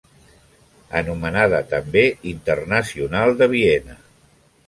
Anomenada també Internacional de Viena.